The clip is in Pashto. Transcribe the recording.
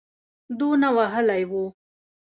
دونه وهلی وو.